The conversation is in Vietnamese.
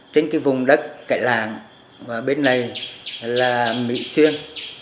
trên cái vùng đất cải làng và bên này là mỹ xuyên